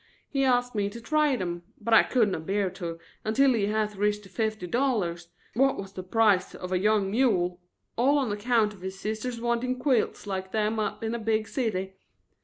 He asked me to trade 'em, but I couldn't abear to until he had riz to fifty dollars, what was the price of a young mule, all on account of his sister wanting quilts like them up in a big city.